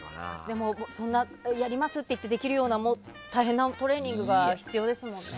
やりますって言ってできるようなことじゃなく大変なトレーニングが必要ですもんね。